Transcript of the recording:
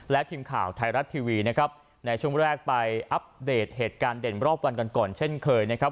และทีมข่าวไทยรัฐทีวีนะครับในช่วงแรกไปอัปเดตเหตุการณ์เด่นรอบวันกันก่อนเช่นเคยนะครับ